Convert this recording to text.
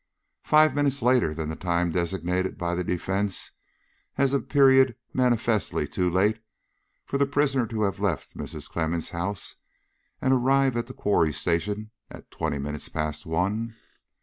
"Five minutes later than the time designated by the defence as a period manifestly too late for the prisoner to have left Mrs. Clemmens' house and arrived at the Quarry Station at twenty minutes past one?"